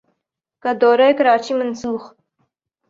کا دورہ کراچی منسوخ